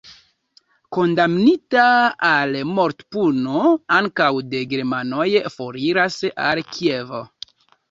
Kondamnita al mortpuno ankaŭ de germanoj, foriris al Kievo.